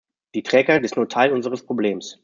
Die Trägheit ist nur Teil unseres Problems.